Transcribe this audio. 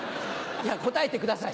いや答えてください。